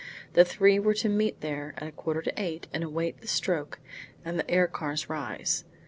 The three were to meet there at a quarter to eight and await the stroke and the air cars rise.